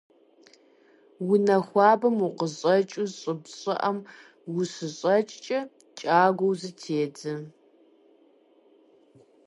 Унэ хуабэм укъыщӀэкӀыу щӀыб щӀыӀэм ущыщӏэкӀкӀэ кӀагуэ зытедзэ.